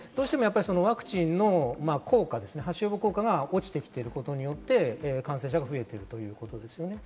ワクチンの効果が落ちてきていることによって感染者が増えているということですよね。